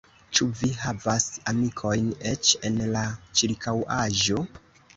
Ĉu vi havas amikojn eĉ en la ĉirkaŭaĵo?